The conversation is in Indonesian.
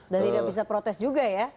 dan tidak bisa protes juga ya